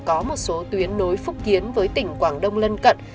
có một số tuyến nối phúc kiến với tỉnh quảng đông lân cận